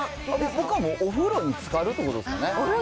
僕はもうお風呂につかるということですかね。